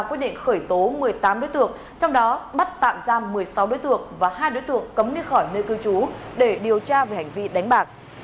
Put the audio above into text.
quyết định khởi tố một mươi tám đối tượng trong đó bắt tạm giam một mươi sáu đối tượng và hai đối tượng cấm đi khỏi nơi cư trú để điều tra về hành vi đánh bạc